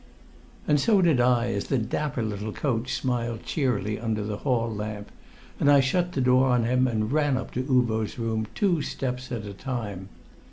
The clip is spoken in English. And so did I as the dapper little coach smiled cheerily under the hall lamp, and I shut the door on him and ran up to Uvo's room two steps at a time.